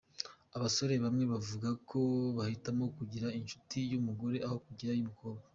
Abasore bamwe bavuga ko bahitamo kugira inshuti y’umugore aho kugira iy’umukobwa.